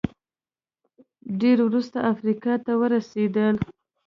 ډېر وروسته افریقا ته ورسېدل